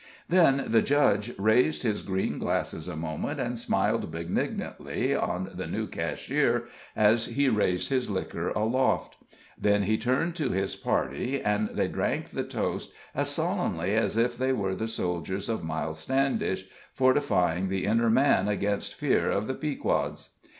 Then the judge raised his green glasses a moment, and smiled benignantly on the new cashier as he raised his liquor aloft; then he turned to his party, and they drank the toast as solemnly as if they were the soldiers of Miles Standish fortifying the inner man against fear of the Pequods.